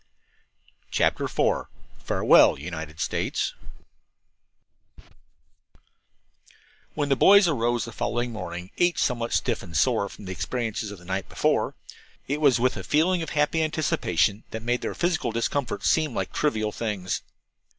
CHAPTER IV FAREWELL, UNITED STATES When the boys arose the following morning, each somewhat stiff and sore from the experiences of the night before, it was with a feeling of happy anticipation that made their physical discomforts seem like trivial things.